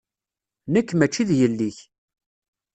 Nekk maci d yelli-k.